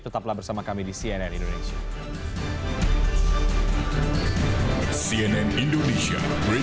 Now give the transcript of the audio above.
tetaplah bersama kami di cnn indonesia